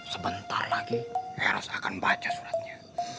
sebentar lagi eros akan baca suratnya